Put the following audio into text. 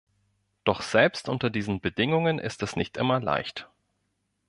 Doch selbst unter diesen Bedingungen ist es nicht immer leicht.